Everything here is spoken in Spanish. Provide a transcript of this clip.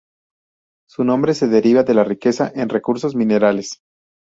Su nombre se deriva de la riqueza en recursos minerales.